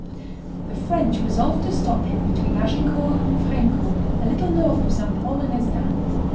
The French resolved to stop him between Agincourt and Framecourt, a little north of St. Paul and Hesdin.